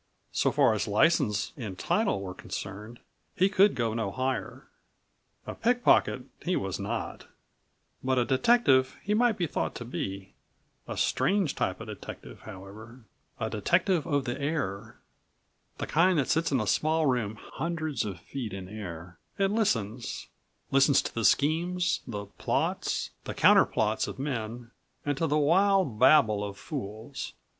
So far as license and title were concerned, he could go no higher. A pickpocket he was not, but a detective he might be thought to be; a strange type of detective, however, a detective of the air; the kind that sits in a small room hundreds of feet in air and listens; listens to the schemes, the plots, the counterplots of men and to the wild babble of fools.